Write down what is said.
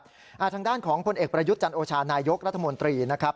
ทางด้านของพลเอกประยุทธ์จันโอชานายกรัฐมนตรีนะครับ